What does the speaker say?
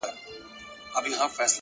مثبت ذهن د بدلون هرکلی کوي؛